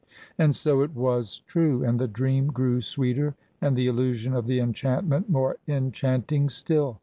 And so it was true, and the dream grew sweeter and the illusion of the enchantment more enchanting still.